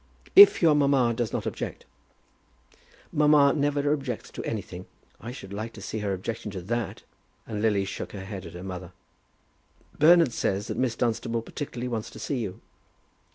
"If your mamma does not object." "Mamma never objects to anything. I should like to see her objecting to that!" And Lily shook her head at her mother. "Bernard says that Miss Dunstable particularly wants to see you."